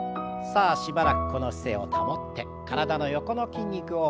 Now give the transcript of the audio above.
さあしばらくこの姿勢を保って体の横の筋肉を程よく伸ばしましょう。